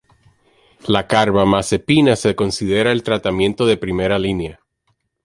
La carbamazepina se considera el tratamiento de primera línea.